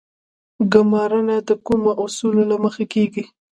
ګمارنه د کومو اصولو له مخې کیږي؟